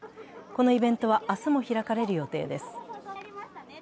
このイベントは、明日も開かれる予定です。